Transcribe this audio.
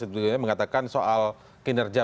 itu mengatakan soal kinerja